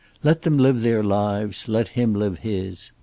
Let them live their lives, and let him live his.